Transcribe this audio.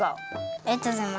ありがとうございます。